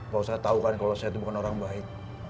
pak ustadz tau kan kalau saya itu bukan orang baik